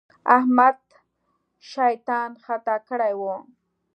احمد شيطان خطا کړی وو.